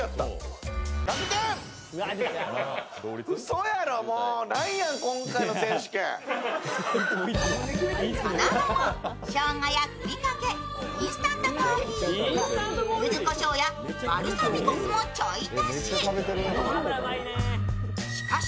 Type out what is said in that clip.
その後もしょうがやふりかけインスタントコーヒー、ゆずこしょうやバルサミコ酢もちょい足し。